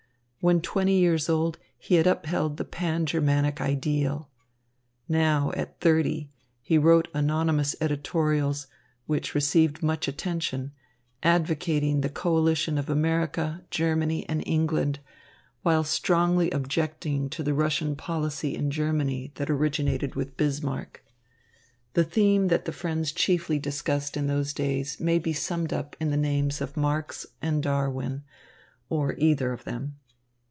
When twenty years old, he had upheld the pan Germanic ideal. Now, at thirty, he wrote anonymous editorials, which received much attention, advocating the coalition of America, Germany and England, while strongly objecting to the Russian policy in Germany that originated with Bismarck. The theme that the friends chiefly discussed in those days may be summed up in the names of Marx and Darwin, or either of them.